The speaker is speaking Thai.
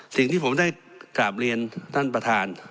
สิ่งที่ผมได้กราบเรียนท่านประธาน